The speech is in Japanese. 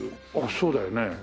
そうだよね。